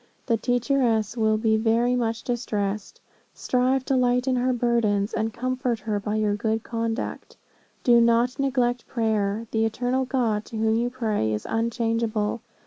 The teacheress will be very much distressed. Strive to lighten her burdens, and comfort her by your good conduct. Do not neglect prayer. The eternal God, to whom you pray, is unchangeable.